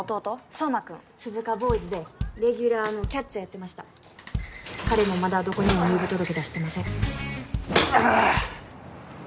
壮磨君鈴鹿ボーイズでレギュラーのキャッチャーやってました彼もまだどこにも入部届出してません